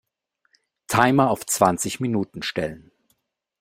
Timer auf zwanzig Minuten stellen.